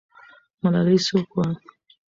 ملالۍ څوک وه؟